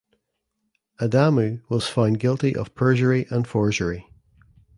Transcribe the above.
Adamu was found guilty of perjury and forgery.